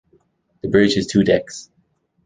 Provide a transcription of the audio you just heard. The bridge has two decks.